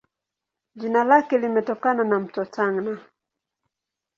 Jina lake limetokana na Mto Tana.